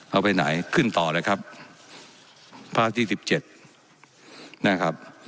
เอาไปไหนขึ้นต่อเลยครับภาคที่สิบเจ็ดนะครับ